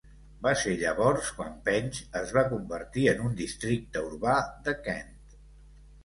Va ser llavors quan Penge es va convertir en un districte urbà de Kent.